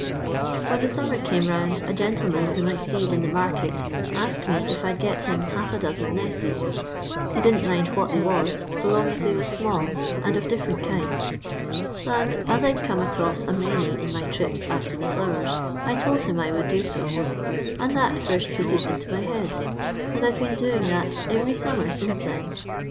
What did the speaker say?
" When the summer came round a gentleman whom I seed in the market asked me if I 'd get him half a dozen nestics — he didn*t mind what they was, so long as they was small, and of dif ferent kinds— and as I 'd come across a many in my trips after the flowers, I told him I would do so — and that first put it into my head ; and I 've been doing that every summer since then.